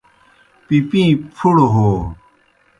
پِپِیں پُھڑوْ ہو/ہے